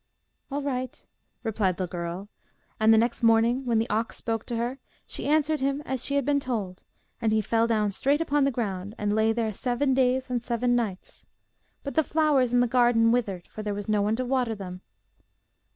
'All right,' replied the girl, and the next morning, when the ox spoke to her, she answered him as she had been told, and he fell down straight upon the ground, and lay there seven days and seven nights. But the flowers in the garden withered, for there was no one to water them.